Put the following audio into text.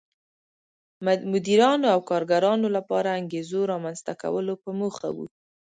مدیرانو او کارګرانو لپاره انګېزو رامنځته کولو په موخه و.